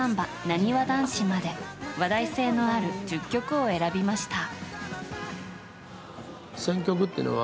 なにわ男子まで話題性のある１０曲を選びました。